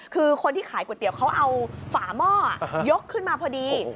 คือคนที่ขายก๋วยเตี๋ยวเขาเอาฝาหม้อยกขึ้นมาพอดี